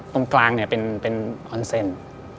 ตรงกลางเนี่ยเป็นออนเซ็นต์